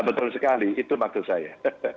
betul sekali itu maksud saya